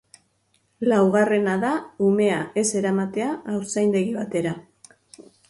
Laugarrena da umea ez eramatea haurtzaindegi batera.